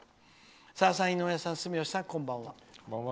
「さださん、井上さん、住吉さんこんばんは。